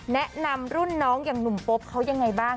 แนะนำรุ่นน้องอย่างหนุ่มโป๊ปเขายังไงบ้าง